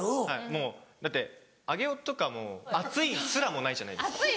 もうだって上尾とか暑いすらもないじゃないですか。